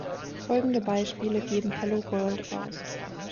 Folgende Beispiele geben „Hello World“ aus.